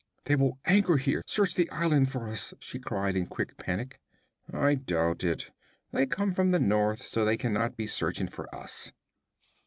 'They will anchor here search the island for us!' she cried in quick panic. 'I doubt it. They come from the north, so they can not be searching for us.